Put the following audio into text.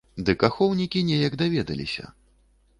Дык ахоўнікі неяк даведаліся.